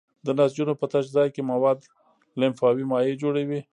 د نسجونو په تش ځای کې مواد لمفاوي مایع جوړوي.